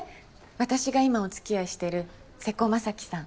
私が今お付き合いしてる瀬古正樹さん。